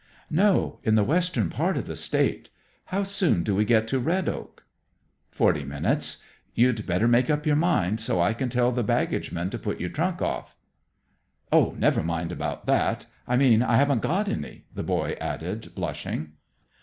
"No. In the western part of the State. How soon do we get to Red Oak?" "Forty minutes. You'd better make up your mind, so I can tell the baggageman to put your trunk off." "Oh, never mind about that! I mean, I haven't got any," the boy added, blushing.